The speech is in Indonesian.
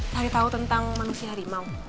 cari tahu tentang manusia harimau